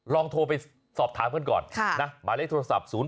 ลองโทรไปสอบถามกันก่อนนะหมายเลขโทรศัพท์๐๘